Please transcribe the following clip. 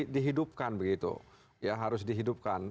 dihidupkan begitu ya harus dihidupkan